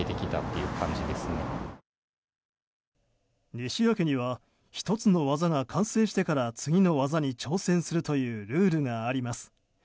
西矢家には１つの技が完成してから次の技に挑戦するというルールがあります。